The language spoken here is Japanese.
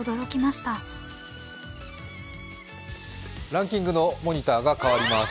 ランキングのモニターが替わります。